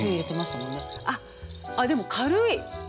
あっでも軽い。